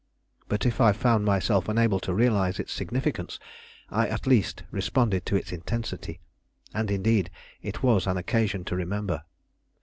But if I found myself unable to realize its significance, I at least responded to its intensity. And indeed it was an occasion to remember.